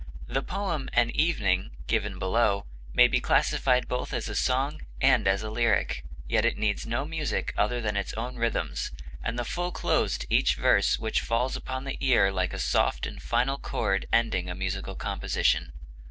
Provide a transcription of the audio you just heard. The poem, 'An Evening,' given below, may be classified both as a song and as a lyric; yet it needs no music other than its own rhythms, and the full close to each verse which falls upon the ear like a soft and final chord ending a musical composition.